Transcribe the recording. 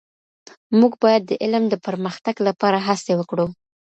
موږ باید د علم د پرمختګ لپاره هڅې وکړو.